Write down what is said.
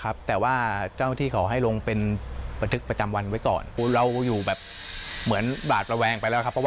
ครับยังไม่กล้าเปิดร้านเลยครับ